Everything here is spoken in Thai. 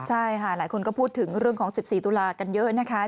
ใช่ค่ะหลายคนก็พูดถึงเรื่องของ๑๔ตุลากันเยอะนะคะ